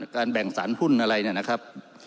แบ่งสารหุ้นอะไรเนี่ยนะครับ